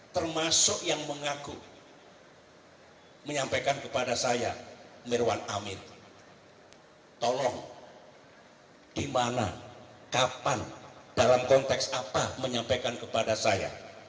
termasuk yang mengaku menyampaikan kepada saya mirwan amin tolong di mana kapan dalam konteks apa menyampaikan kepada saya